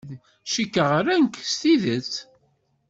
Cikkeɣ ran-k s tidet.